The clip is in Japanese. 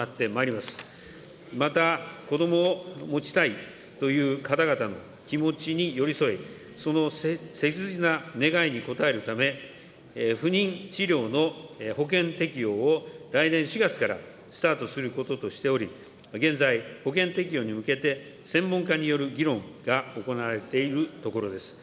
また子どもをもちたいという方々の気持ちに寄り添い、その切実な願いに応えるため、不妊治療の保険適用を来年４月からスタートすることとしており、現在、保険適用に向けて、専門家による議論が行われているところです。